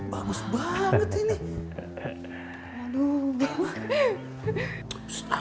bagus banget ini